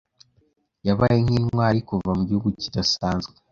Yabaye, nk'intwari kuva mu gihugu kidasanzwe.